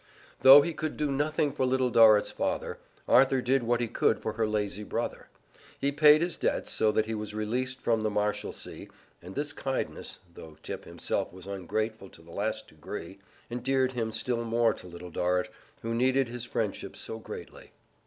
Though he could do nothing for Little Dorrit's father, Arthur did what he could for her lazy brother. He paid his debts so that he was released from the Marshalsea, and this kindness, though Tip himself was ungrateful to the last degree, endeared him still more to Little Dorrit, who needed his friendship so greatly.